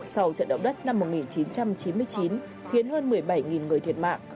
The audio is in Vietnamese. sau trận động đất năm một nghìn chín trăm chín mươi chín khiến hơn một mươi bảy người thiệt mạng